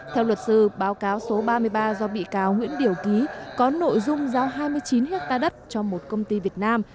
theo luật sư báo cáo số ba mươi ba do bị cáo nguyễn điểu ký có nội dung giao hai mươi chín hectare đất cho một công ty việt nam